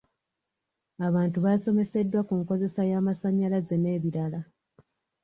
Abantu basomeseddwa ku nkozesa y'amasanyalaze n'ebirala.